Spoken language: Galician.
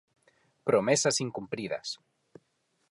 Promesas incumpridas.